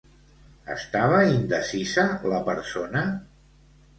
Estava indecisa la persona?